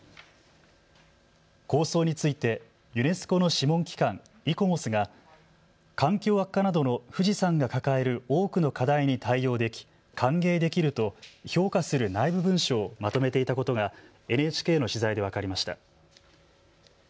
構想についてユネスコの諮問機関、イコモスが環境悪化などの富士山が抱える多くの課題に対応でき歓迎できると評価する内部文書をまとめていたことがＮＨＫの取材で分かりました。